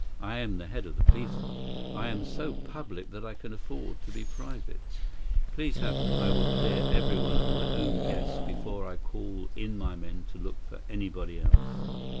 I am the head of the police; I am so public that I can afford to be private. Please Heaven, I will clear everyone of my own guests before I call in my men to look for anybody else.